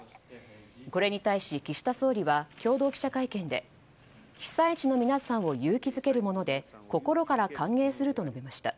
これに対し、岸田総理は共同記者会見で被災地の皆さんを勇気づけるもので心から歓迎すると述べました。